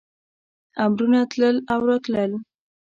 امرونه تلل او راتلل.